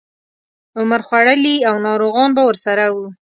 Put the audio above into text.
عمر خوړلي او ناروغان به ورسره وو.